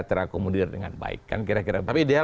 terakomodir dengan baik tapi ideal